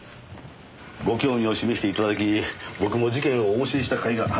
ご興味を示して頂き僕も事件をお教えした甲斐があるというものです。